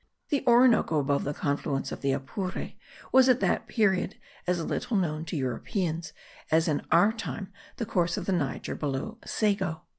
The Orinoco above the confluence of the Apure was at that period as little known to Europeans, as in our time the course of the Niger below Sego.